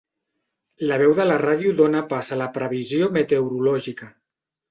La veu de la ràdio dóna pas a la previsió meteorològica.